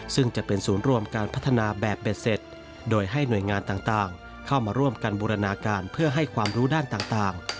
ซึ่งจะเป็นศูนย์รวมการพัฒนาแบบเบ็ดเสร็จโดยให้หน่วยงานต่างเข้ามาร่วมกันบูรณาการเพื่อให้ความรู้ด้านต่าง